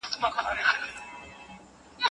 د جنسي ځورونې او تاوتریخوالي د مخنیوي قوانین جوړ شول.